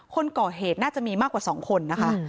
คนก่อเหตุน่าจะมีมากกว่า๒คนนะคะ